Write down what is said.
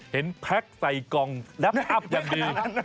เห็นแพลคใส่กองของดังแบบดี